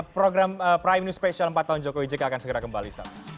program prime news special empat tahun jokowi jk akan segera kembali